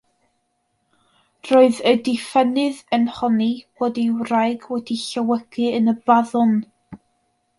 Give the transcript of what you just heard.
Roedd y diffynnydd yn honni bod ei wraig wedi llewygu yn y baddon.